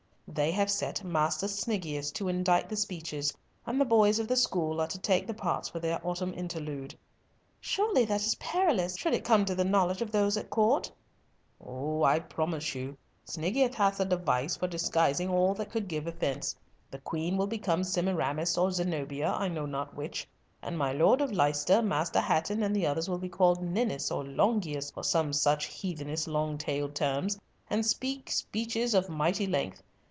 They have set Master Sniggius to indite the speeches, and the boys of the school are to take the parts for their autumn interlude." "Surely that is perilous, should it come to the knowledge of those at Court." "Oh, I promise you, Sniggius hath a device for disguising all that could give offence. The Queen will become Semiramis or Zenobia, I know not which, and my Lord of Leicester, Master Hatton, and the others, will be called Ninus or Longinus, or some such heathenish long tailed terms, and speak speeches of mighty length.